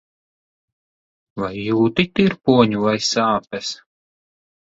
Vai jūti tirpoņu vai sāpes?